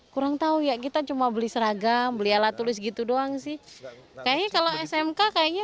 kurang tahu ya kita cuma beli seragam beli alat tulis gitu doang sih kayaknya kalau smk kayaknya